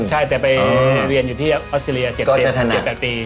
ใช่แต่ไปเรียนอยู่ที่ออสเตรเลีย๗๘ปี